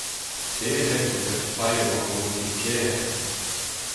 Pec’hed ober fae war rom ken ker.